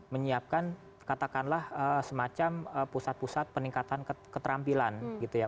menyiapkan katakanlah semacam pusat pusat peningkatan keterampilan gitu ya